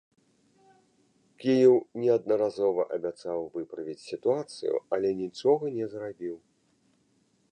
Кіеў неаднаразова абяцаў выправіць сітуацыю, але нічога не зрабіў.